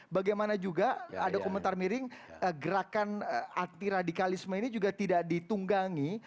bagaimana juga ada komentar miring gerakan anti radikalisme ini juga tidak ditunggangi